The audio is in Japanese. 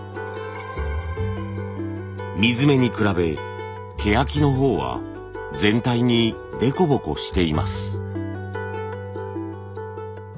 ミズメに比べケヤキのほうは全体に凸凹しています。